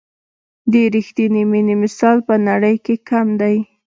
د رښتیني مینې مثال په نړۍ کې کم دی.